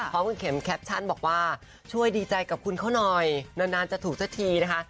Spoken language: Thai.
พร้อมกับเข็มแคปชั่นบอกว่าช่วยดีใจกับคุณเขาหน่อยนานจะถูกสักทีนะคะ